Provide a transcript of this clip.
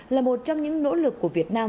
là một trong những nỗ lực của việt nam